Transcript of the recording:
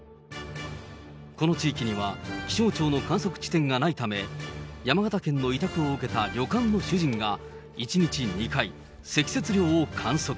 この地域には、気象庁の観測地点がないため、山形県の委託を受けた旅館の主人が、１日２回、積雪量を観測。